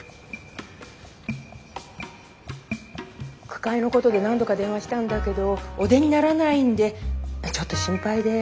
句会のことで何度か電話したんだけどお出にならないんでちょっと心配で。